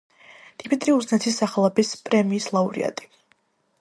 დიმიტრი უზნაძის სახელობის პრემიის ლაურეატი.